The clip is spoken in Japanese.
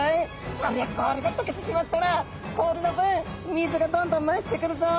そりゃ氷が解けてしまったら氷の分水がどんどん増してくるぞい。